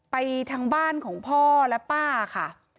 ไปทางบ้านของพ่อและป้าค่ะ